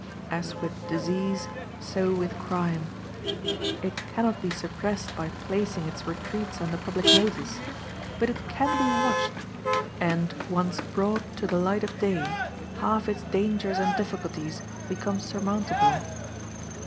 As with disease, so with crime. It can not be suppressed by placing its retreats under public notice, but it can be watched, and, once brought to the light of day, half its dangers and difficulties become surmountable.